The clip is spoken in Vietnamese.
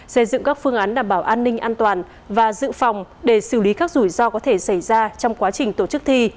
xây dựng các phương án đảm bảo an ninh an toàn và dự phòng để xử lý các rủi ro có thể xảy ra trong quá trình tổ chức thi